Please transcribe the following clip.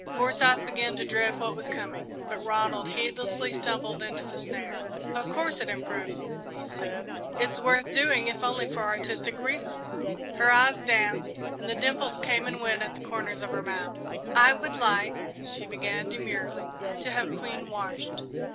Forsyth began to dread what was coming, but Ronald heedlessly stumbled into the snare. "Of course it improves 'em," he said. "It's worth doing, if only for artistic reasons." Her eyes danced and the dimples came and went at the corners of her mouth. "I would like," she began demurely, "to have Queen washed."